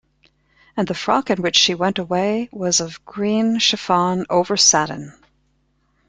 And the frock in which she went away was of green chiffon over satin.